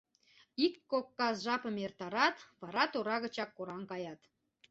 Ик-кок кас жапым эртарат, вара тора гычак кораҥ каят.